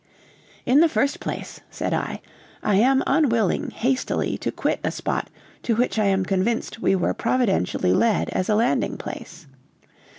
"In the first place," said I, "I am unwilling hastily to quit a spot to which I am convinced we were providentially led as a landing place.